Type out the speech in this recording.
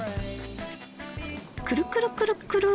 クルクルクルクル。